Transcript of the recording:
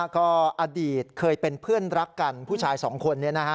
ก็อดีตเคยเป็นเพื่อนรักกันผู้ชายสองคน